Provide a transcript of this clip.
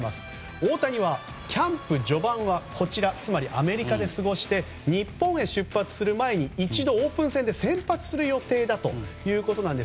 大谷はキャンプ序盤はこちらつまりアメリカで過ごして日本へ出発する前に一度、オープン戦で先発する予定だということです。